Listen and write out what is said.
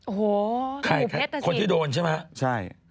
โอ้โหเป็นผู้เพชรน่ะสิใช่มั้ยคนที่โดนใช่มั้ย